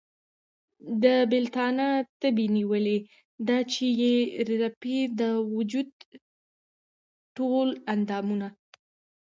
د بېلتانه تبې نيولی ، دا چې ئې رپي د وجود ټول اندامونه